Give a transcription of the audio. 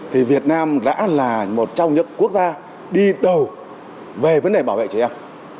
thì việt nam đã là một trong những quốc gia đi đầu về vấn đề bảo vệ trẻ em